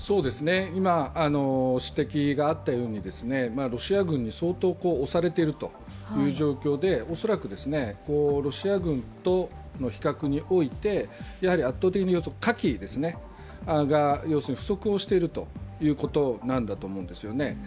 今、指摘があったように、ロシア軍に相当押されている状況で、恐らくロシア軍との比較において圧倒的に火器が不足しているということなんだと思うんですね。